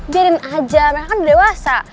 biarin aja mereka kan udah dewasa